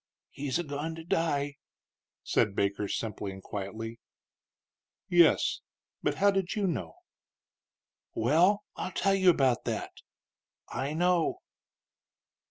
"He's a goin' to die," said Baker, simply and quietly. "Yes; but how do you know?" "Well, I'll tell you about that; I know."